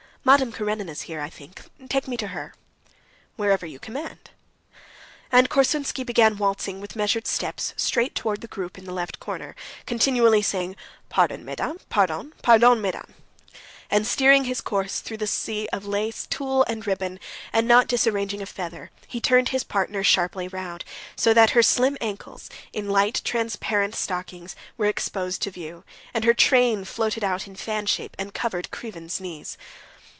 "Madame Karenina's here, I think ... take me to her." "Wherever you command." And Korsunsky began waltzing with measured steps straight towards the group in the left corner, continually saying, "Pardon, mesdames, pardon, pardon, mesdames"; and steering his course through the sea of lace, tulle, and ribbon, and not disarranging a feather, he turned his partner sharply round, so that her slim ankles, in light transparent stockings, were exposed to view, and her train floated out in fan shape and covered Krivin's knees.